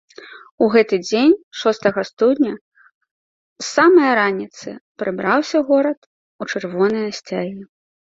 У гэты дзень, б студня, з самае раніцы прыбраўся горад у чырвоныя сцягі.